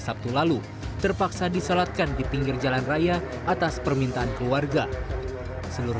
sabtu lalu terpaksa disolatkan di pinggir jalan raya atas permintaan keluarga seluruh